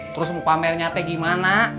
terus mau pamer nyate gimana